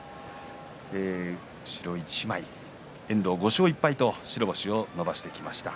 後ろ一枚の遠藤５勝１敗と白星を伸ばしてきました。